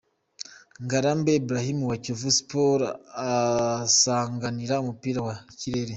Ngarambe Ibrahim wa Kiyovu Sport asanganira umupira mu kirere.